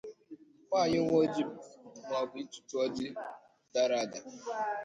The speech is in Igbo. nwanyị ịwa ọjị maọbụ ịtụtụ ọjị dara ada